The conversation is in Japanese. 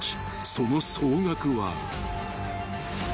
［その総額は］